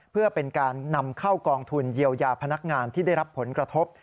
เพื่อเป็นการนำเข้ากองทุนเยียวยาพนักงานที่ได้รับผลกระทบ